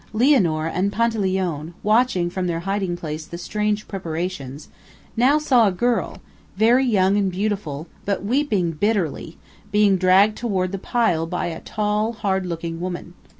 Lianor and Panteleone, watching from their hiding place the strange preparations, now saw a girl, very young and beautiful, but weeping bitterly, being dragged toward the pile by a tall, hard looking woman.